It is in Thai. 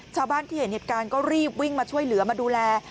ชาวบ้านที่เห็นเหตุการณ์ก็รีบวิ่งมาช่วยเหลือมาดูแล